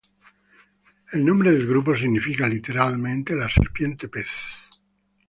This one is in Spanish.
El nombre del grupo significa literalmente "la serpiente-pez".